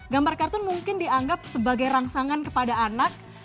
gambar kartun mungkin dianggap sebagai rangsangan kepada anak